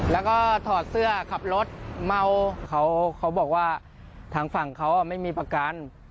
แล้วก็ถอดเสื้อขับรถเมาเขาบอกว่าทางฝั่งเขาไม่มีประกัน